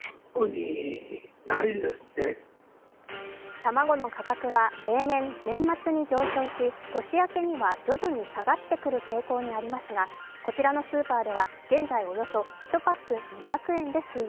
卵の価格は例年、年末に上昇し年明けには徐々に下がってくる傾向にありますがこちらのスーパーでは現在およそ１パック２００円で推移。